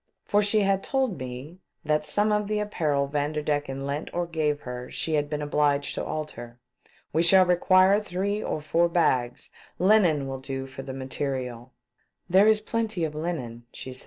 for she had told me that some of the apparel Vanderdecken lent or gave her she had been obliged to alter. " We shall require three or four bags. Linen will do for the material." " There is plenty of linen," said she.